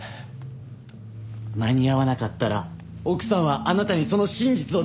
間に合わなかったら奥さんはあなたにその真実を伝えてしまう。